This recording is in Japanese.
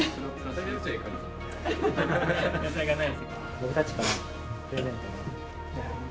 僕たちからプレゼントが。